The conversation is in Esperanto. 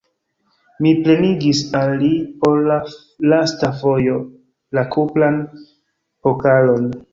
Mi plenigis al li por la lasta fojo la kupran pokalon.